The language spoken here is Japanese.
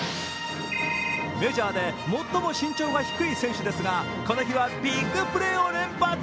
メジャーで最も身長が低い選手ですがこの日はビッグプレーを連発。